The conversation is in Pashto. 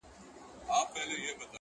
د لاسونو په پياله کې اوښکي راوړې،